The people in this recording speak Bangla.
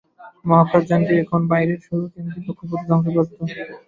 মহাকাশযানটি এখন বাইরের সৌরকেন্দ্রিক কক্ষপথে ধ্বংসপ্রাপ্ত।